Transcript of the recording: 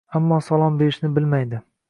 Ammo salom berishni bilmaydi.